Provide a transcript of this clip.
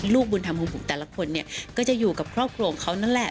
ลูกบุญธรรมของผมแต่ละคนเนี่ยก็จะอยู่กับครอบครัวของเขานั่นแหละ